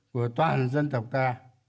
của toàn dân tộc ta